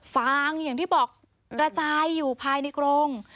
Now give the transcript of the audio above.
ฟางอย่างที่บอกกระจายอยู่ภายในกรง